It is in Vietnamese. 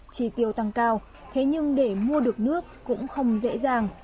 chi tiêu tăng cao thế nhưng để mua được nước cũng không dễ dàng